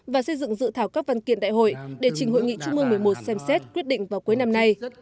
và xây dựng dự thảo các văn kiện đại hội để trình hội nghị trung mương một mươi một xem xét quyết định vào cuối năm nay